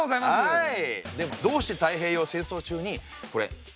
はい。